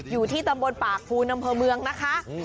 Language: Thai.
อยู่ที่ตำบลปากภูนอำเภอเมืองนะคะ